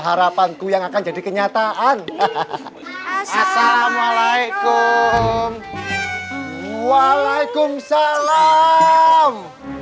harapanku yang akan jadi kenyataan assalamualaikum waalaikumsalam